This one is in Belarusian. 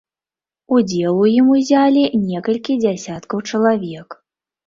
Удзел у ім узялі некалькі дзясяткаў чалавек.